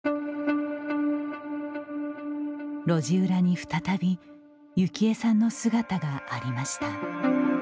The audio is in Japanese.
路地裏に再び幸恵さんの姿がありました。